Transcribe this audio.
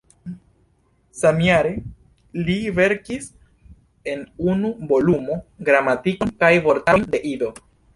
Samjare li verkis en unu volumo gramatikon kaj vortarojn de Ido.